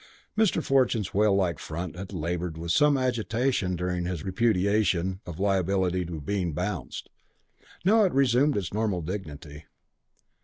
Mr. Fortune's whale like front had laboured with some agitation during his repudiation of liability to being bounced. It now resumed its normal dignity.